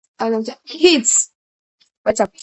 kids